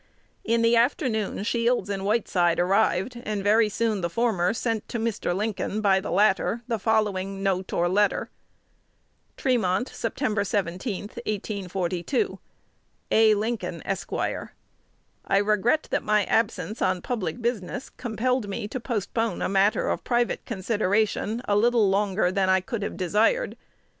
In the afternoon Shields and Whiteside arrived, and very soon the former sent to Mr. Lincoln by the latter the following note or letter: Tremont, Sept. 17,1842. A. Lincoln, Esq. I regret that my absence on public business compelled me to postpone a matter of private consideration a little longer than I could have desired.